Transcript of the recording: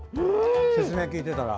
説明聞いてたら。